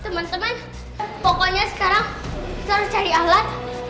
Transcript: teman teman pokoknya sekarang kita harus cari alat